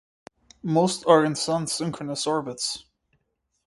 Most are in sun-synchronous orbits.